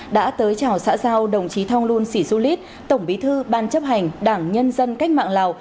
đã tới chào xã giao đồng chí thong lun sĩ xu lít tổng bí thư ban chấp hành đảng nhân dân cách mạng lào